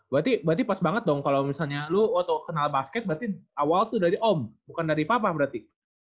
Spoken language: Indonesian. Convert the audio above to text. berarti pas banget dong kalau misalnya lo waktu kenal basket berarti awal tuh dari om bukan dari papa berarti